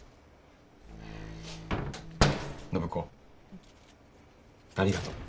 暢子ありがとう。